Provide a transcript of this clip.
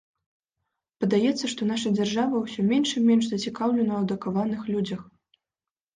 Падаецца, што наша дзяржава ўсё менш і менш зацікаўлена ў адукаваных людзях.